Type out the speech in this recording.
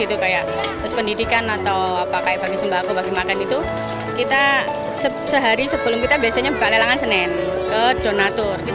terus pendidikan atau bagi sembako bagi makan itu kita sehari sebelum kita biasanya buka lelangan senin ke donatur